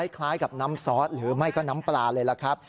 คล้ายกับน้ำซอสหรือไม่ก็น้ำปลาเลยล่ะครับ